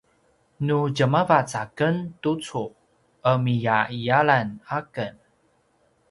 nu djemavac aken tucu ’emiya’iyalan aken